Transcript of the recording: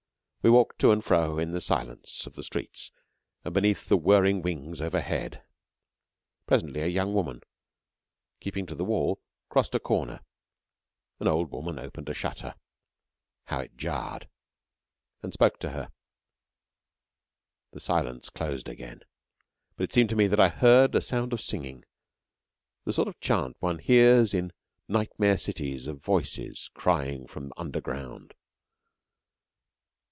We walked to and fro in the silence of the streets and beneath the whirring wings overhead. Presently, a young woman, keeping to the wall, crossed a corner. An old woman opened a shutter (how it jarred!), and spoke to her. The silence closed again, but it seemed to me that I heard a sound of singing the sort of chant one hears in nightmare cities of voices crying from underground.